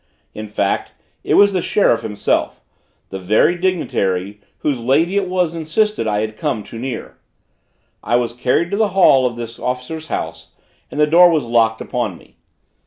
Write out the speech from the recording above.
In fact, it was the sheriff himself, the very dignitary, whose lady it was insisted I had come too near. I was carried to the hall of this officer's house, and the door was locked upon me.